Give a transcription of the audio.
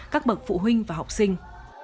các bậc phụ huynh và học sinh